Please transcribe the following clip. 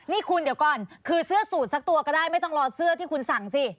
นี่คุณเดี๋ยวก่อนคือเสื้อสูตรสักตัวก็ได้ไม่ต้องรอเสื้อที่คุณสั่งสิ